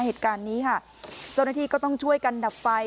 เหตุการณ์นี้ค่ะเจ้าหน้าที่ก็ต้องช่วยกันดับไฟ